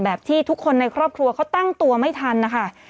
ที่ทุกคนในครอบครัวเขาตั้งตัวไม่ทันนะคะ